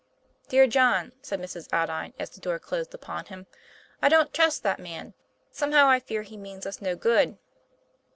" Dear John," said Mrs. Aldine, as the door closed upon him, " I don't trust that man. Somehow I fear he means us no good."